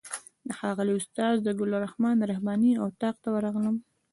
د ښاغلي استاد ګل رحمن رحماني اتاق ته ورغلم.